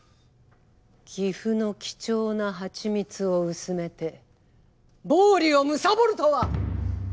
岐阜の貴重な蜂蜜を薄めて暴利をむさぼるとは！